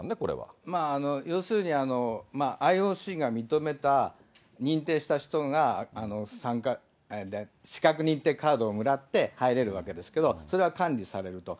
要するに、ＩＯＣが認めた、認定した人が参加、資格認定カードをもらって入れるわけですけど、それは管理されると。